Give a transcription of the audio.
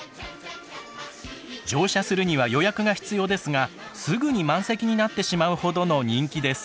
乗車するには予約が必要ですがすぐに満席になってしまうほどの人気です。